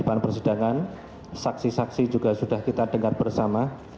pembacaan persidangan saksi saksi juga sudah kita dengar bersama